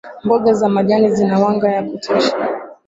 mboga za majani zina wanga ya kutosha